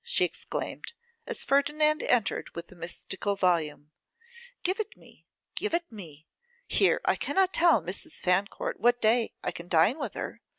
she exclaimed, as Ferdinand entered with the mystical volume. 'Give it me, give it me. Here I cannot tell Mrs. Fancourt what day I can dine with her.